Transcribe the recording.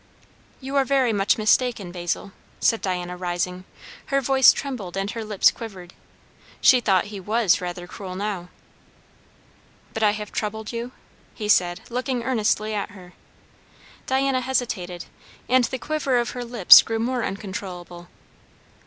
"You are very much mistaken, Basil," said Diana, rising; and her voice trembled and her lips quivered. She thought he was rather cruel now. "But I have troubled you?" he said, looking earnestly at her. Diana hesitated, and the quiver of her lips grew more uncontrollable.